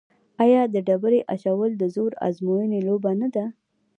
آیا د ډبرې اچول د زور ازموینې لوبه نه ده؟